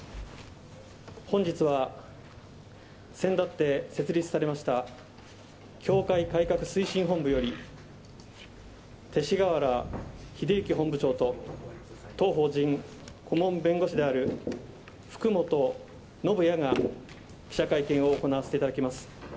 本日は、先だって設立されました教会改革推進本部より、勅使河原秀行本部長と、当法人顧問弁護士である福本修也が、記者会見を行わせていただきます。